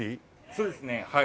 そうですねはい。